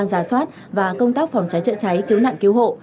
giả soát và công tác phòng cháy chữa cháy cứu nạn cứu hộ